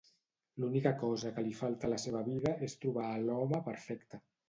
L'única cosa que li falta a la seva vida és trobar a l'home perfecte.